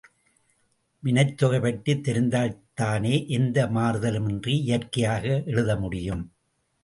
வினைத் தொகை பற்றித் தெரிந்தால்தானே எந்த மாறுதலும் இன்றி இயற்கையாக எழுதமுடியும்!